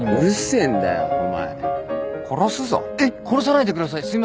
殺さないでください。